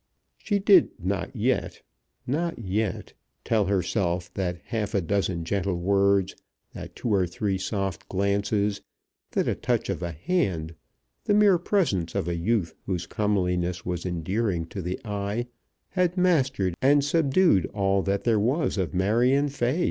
She did not yet, not yet, tell herself that half a dozen gentle words, that two or three soft glances, that a touch of a hand, the mere presence of a youth whose comeliness was endearing to the eye, had mastered and subdued all that there was of Marion Fay.